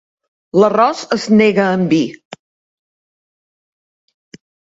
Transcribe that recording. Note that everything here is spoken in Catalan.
L'arròs es nega amb vi.